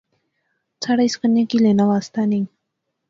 ساڑا اس کنے کی لینا واسطہ نئیں